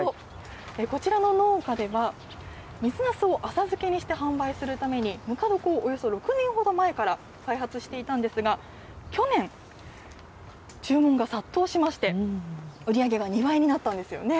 こちらの農家では、水なすを浅漬けにして販売するために、ぬか床をおよそ６年ほど前から開発していたんですが、去年、注文が殺到しまして、売り上げが２倍になったんですよね。